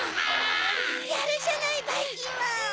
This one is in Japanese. やるじゃないばいきんまん！